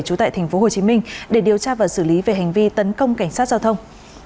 trú tại tp hcm để điều tra và xử lý về hành vi tấn công cảnh sát giao thông